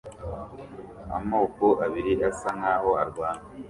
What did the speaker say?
Amoko abiri asa nkaho arwana